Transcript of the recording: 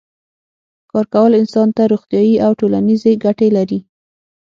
کار کول انسان ته روغتیایی او ټولنیزې ګټې لري